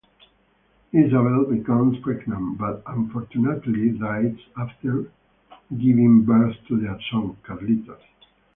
Isabel becomes pregnant, but unfortunately dies after giving birth to their son, Carlitos.